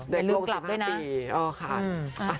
เด็กลง๑๕ปี